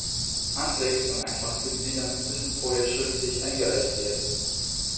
Anträge von einfachen Mitgliedern müssen vorher schriftlich eingereicht werden.